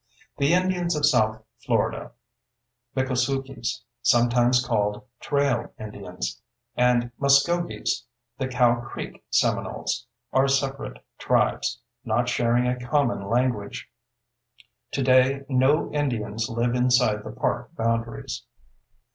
The Indians of south Florida—Miccosukees, sometimes called "Trail Indians"; and Muskogees, the "Cow Creek Seminoles"—are separate tribes, not sharing a common language. Today no Indians live inside the park boundaries.